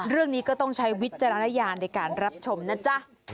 เรื่องนี้ก็ต้องใช้วิจารณญาณในการรับชมนะจ๊ะ